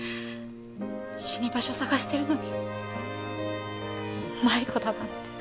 死に場所探してるのに迷子だなんて。